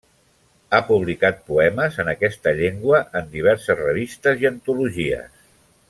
Ha publicat poemes en aquesta llengua en diverses revistes i antologies.